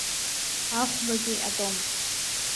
Ахәбатәи атом.